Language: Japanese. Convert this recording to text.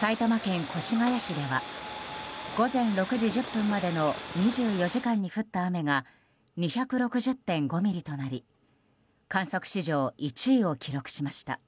埼玉県越谷市では午前６時１０分までの２４時間に降った雨が２６０．５ミリとなり観測史上１位を記録しました。